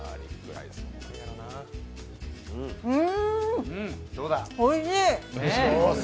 うん、おいしい！